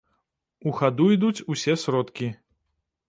У хаду ідуць усе сродкі.